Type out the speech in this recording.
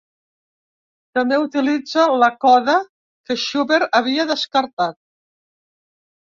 També utilitza la coda que Schubert havia descartat.